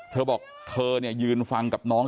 เธอบอกเธอเนี่ยยืนฟังกับน้อง